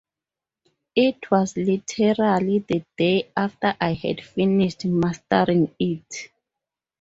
It was literally the day after I had finished mastering it.